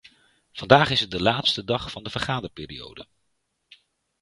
Vandaag is het de laatste dag van de vergaderperiode.